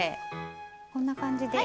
こんな感じで。